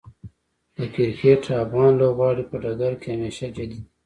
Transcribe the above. د کرکټ افغان لوبغاړي په ډګر کې همیشه جدي دي.